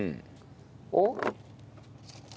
おっ？